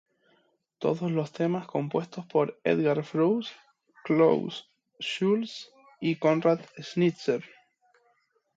Todos los temas compuestos por Edgar Froese, Klaus Schulze y Conrad Schnitzler